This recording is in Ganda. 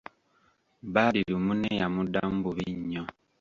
Badru munne yamuddamu bubi nnyo.